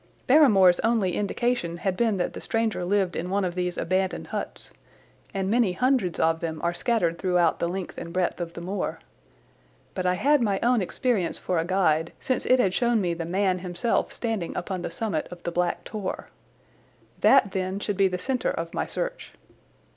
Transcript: Barrymore's only indication had been that the stranger lived in one of these abandoned huts, and many hundreds of them are scattered throughout the length and breadth of the moor. But I had my own experience for a guide since it had shown me the man himself standing upon the summit of the Black Tor. That, then, should be the centre of my search.